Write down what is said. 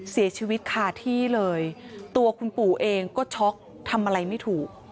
เสียชีวิตคาที่เลยตัวคุณปู่เองก็ช็อกทำอะไรไม่ถูก